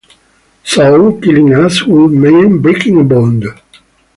So, killing us would mean breaking a bond.